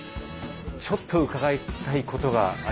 ちょっと伺いたいことがありまして。